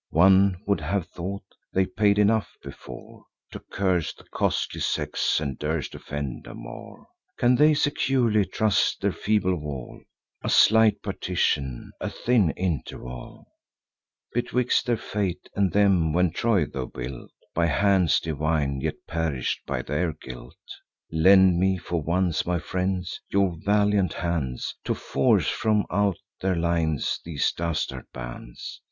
One would have thought they paid enough before, To curse the costly sex, and durst offend no more. Can they securely trust their feeble wall, A slight partition, a thin interval, Betwixt their fate and them; when Troy, tho' built By hands divine, yet perish'd by their guilt? Lend me, for once, my friends, your valiant hands, To force from out their lines these dastard bands.